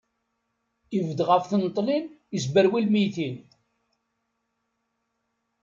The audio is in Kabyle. Ibedd ɣef tneṭlin, isberwi lmeggtin.